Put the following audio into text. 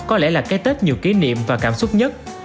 có lẽ là cái tết nhiều kỷ niệm và cảm xúc nhất